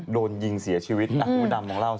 โดนยิงเสียชีวิตอัฮุดำบอกเล่าสิ